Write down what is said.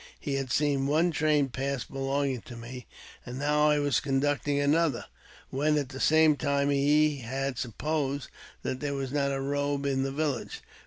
He had seen one train pass belonging to me, and now I was conducting another, when, at the same time, he had supposed that there was not a robe in the village.